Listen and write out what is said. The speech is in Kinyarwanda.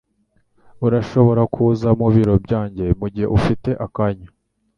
Urashobora kuza mubiro byanjye mugihe ufite akanya?